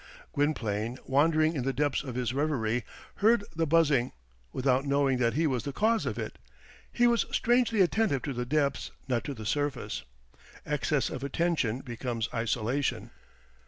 Gwynplaine, wandering in the depths of his reverie, heard the buzzing, without knowing that he was the cause of it. He was strangely attentive to the depths, not to the surface. Excess of attention becomes isolation.